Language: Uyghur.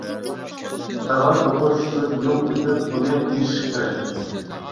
تاغار توقۇش ئۈچۈن يۇڭ تېپىپ، ئۇنى ئېشىش كېرەك.